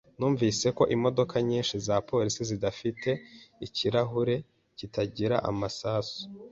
Numvise ko imodoka nyinshi za polisi zidafite ikirahure kitagira amasasu.